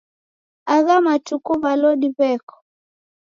Agha matuku w'alodi w'eko?